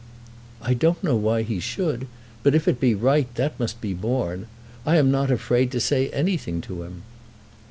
"I don't know why he should, but if it be right, that must be borne. I am not afraid to say anything to him."